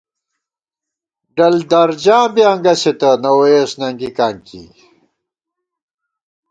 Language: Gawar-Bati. ڈل درجاں بی انگَسِتہ ، نہ ووئیس ننگِکاں کی